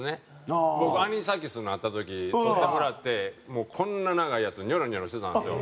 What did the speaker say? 僕アニサキスになった時取ってもらってもうこんな長いやつニョロニョロしてたんですよ。